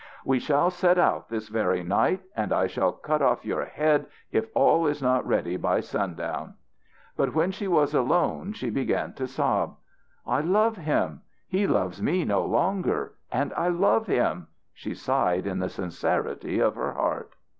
"We shall set out this very night. And I shall cut off your head if all is not ready by sundown." But when she was alone she began to sob. "I love him! He loves me no longer, and I love him," she sighed in the sincerity of her heart.